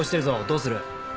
どうする？